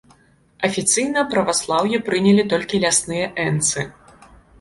Афіцыйна праваслаўе прынялі толькі лясныя энцы.